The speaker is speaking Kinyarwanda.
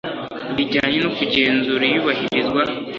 bijyanye no kugenzura iyubahirizwa